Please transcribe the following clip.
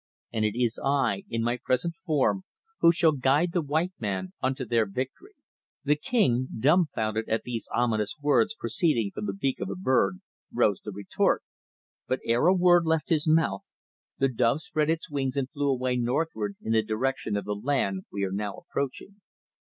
And it is I, in my present form, who shall guide the white men unto their victory.' The king, dumbfounded at these ominous words proceeding from the beak of a bird, rose to retort, but ere a word left his mouth the dove spread its wings and flew away northward in the direction of the land we are now approaching."